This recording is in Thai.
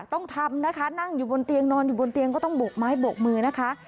ต้องทำนะคะนั่งอยู่บนเตียงนอนอยู่บนเตียงก็ต้องโบกไม้บกมือนะคะ